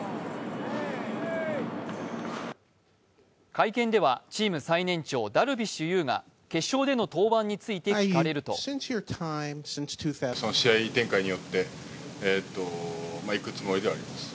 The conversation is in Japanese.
会見ではチーム最年長、ダルビッシュ有が決勝での登板について聞かれると試合展開によっていくつもりではあります。